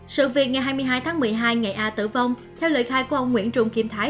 sự việc ngày hai mươi hai tháng một mươi hai ngày a tử vong theo lời khai của ông nguyễn trung kim thái